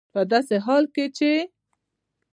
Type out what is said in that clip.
په داسې حال کې چې